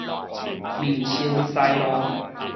民生西路